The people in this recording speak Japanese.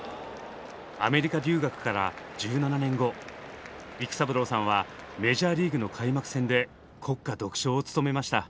アメリカ留学から１７年後育三郎さんはメジャーリーグの開幕戦で国歌独唱を務めました。